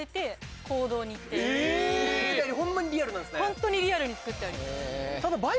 ホントにリアルに作ってあります